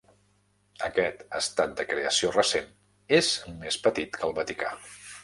Aquest estat de creació recent és més petit que el Vaticà.